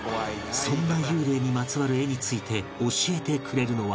そんな幽霊にまつわる絵について教えてくれるのは